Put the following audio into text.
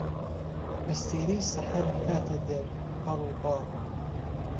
ئهستێرهی سهحهر هاته دهر پهڕ و بال